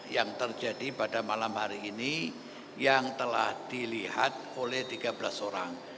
yang terjadi pada malam hari ini yang telah dilihat oleh tiga belas orang